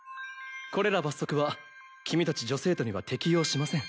これら罰則は君たち女生徒には適用しません。